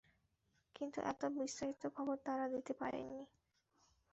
কিন্তু এত বিস্তারিত খবর তাঁরা দিতে পারেননি।